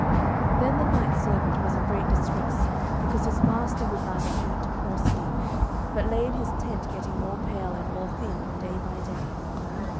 Then the knight's servant was in great distress, because his master would neither eat nor sleep, but lay in his tent getting more pale and more thin day by day.